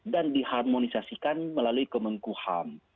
dan diharmonisasikan melalui kemenkuhan